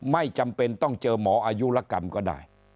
ไม่จำเป็นต้องเจอหมออายุรกรรมก็ได้